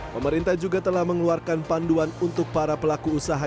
pemerintah juga telah mengeluarkan panduan untuk para pelaku usaha